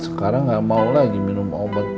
sekarang nggak mau lagi minum obat